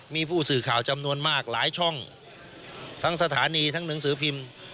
มีผู้สื่อข่าวจำนวนมากหลายช่องทั้งสถานีทั้งหนังสือพิมพ์